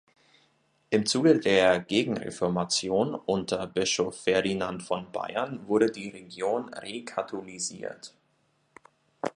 Im Zuge der Gegenreformation unter Bischof Ferdinand von Bayern wurde die Region rekatholisiert.